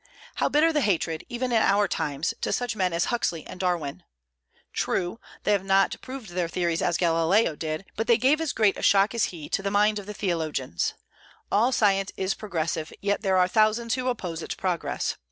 How bitter the hatred, even in our times, to such men as Huxley and Darwin! True, they have not proved their theories as Galileo did; but they gave as great a shock as he to the minds of theologians. All science is progressive, yet there are thousands who oppose its progress.